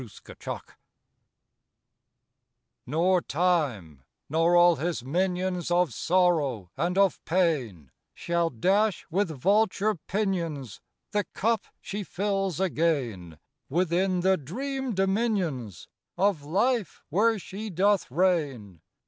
THE IDEAL Nor time nor all his minions Of sorrow and of pain, Shall dash with vulture pinions The cup she fills again Within the dream dominions Of life where she doth reign.